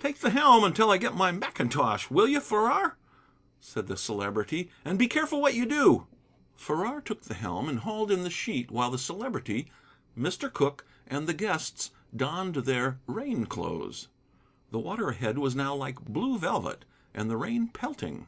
"Take the helm until I get my mackintosh, will you, Farrar?" said the Celebrity, "and be careful what you do." Farrar took the helm and hauled in the sheet, while the Celebrity, Mr. Cooke, and the guests donned their rain clothes. The water ahead was now like blue velvet, and the rain pelting.